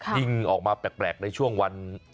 ยิ่งออกมาแปลกในช่วงวัน